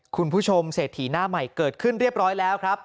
คุณผู้ชมเศรษฐีหน้าใหม่เกิดขึ้นเรียบร้อยแล้วครับ